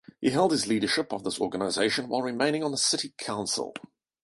He held his leadership of this organization while remaining on the City Council.